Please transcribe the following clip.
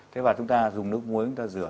thế và chúng ta dùng nước muối chúng ta rửa